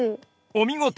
お見事！